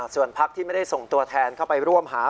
ส่วนพักที่ไม่ได้ส่งตัวแทนเข้าไปร่วมหา